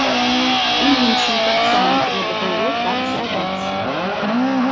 І іншым таксама трэба было так зрабіць!